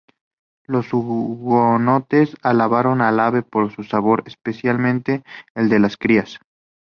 Los hugonotes alabaron el ave por su sabor, especialmente el de las crías.